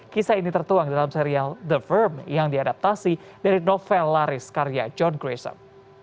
kisah ini tertuang dalam serial the firm yang diadaptasi dari novel laris karya john gracem